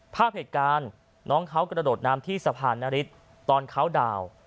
ภาพเหตุการณ์น้องเขากระโดดน้ำที่สะพานนฤทธิ์ตอนเขาดาวน์